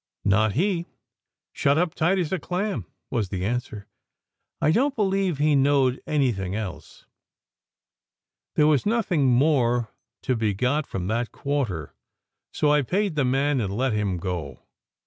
"Not he! Shut up tight as a clam," was the answer. "I don t believe he knowed anything else." There was nothing more to be got from that quarter, so I paid the man and let him go.